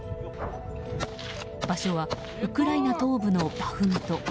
場所はウクライナ東部のバフムト。